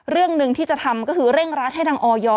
เรื่องหนึ่งที่จะทำก็คือเร่งรัดให้ทางออย